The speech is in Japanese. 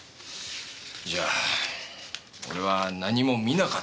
じゃあ俺は何も見なかったって事で。